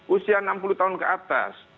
usia enam puluh tahun ke atas